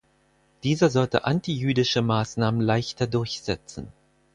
Dieser sollte antijüdische Maßnahmen leichter durchsetzen.